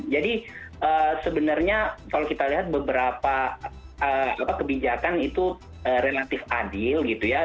jadi sebenarnya kalau kita lihat beberapa kebijakan itu relatif adil gitu ya